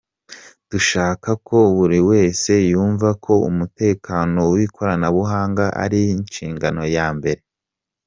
Dushaka ko buri wese yumva ko umutekano w’ikoranabuhanga ari yo nshingano ya mbere.